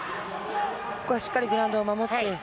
ここはしっかりグラウンドを守って。